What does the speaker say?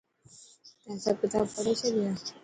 تين سڀ ڪتاب پڙهي ڇڏيا؟